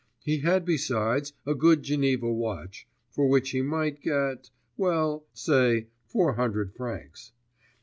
He had besides a good Geneva watch, for which he might get ... well, say, four hundred francs.